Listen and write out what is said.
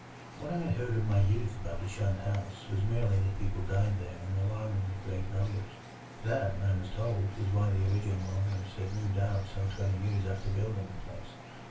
What I heard in my youth about the shunned house was merely that people died there in alarmingly great numbers. That, I was told, was why the original owners had moved out some twenty years after building the place.